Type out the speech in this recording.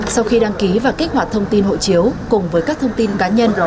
sau khi đăng ký và kích hoạt thông tin hộ chiếu cùng với các thông tin cá nhân